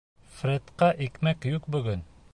— Фредҡа икмәк юҡ бөгөн.